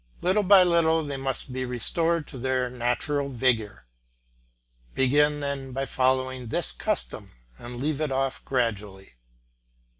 Little by little they must be restored to their natural vigour. Begin then by following this custom, and leave it off gradually.